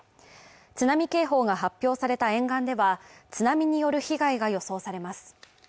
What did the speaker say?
津波警報が発表された沿岸では、津波による被害が予想されます。